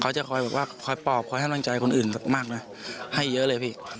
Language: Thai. เขาจะคอยแบบว่าคอยปอบคอยดังใจคนอื่นสักมากนะให้เยอะเลยพี่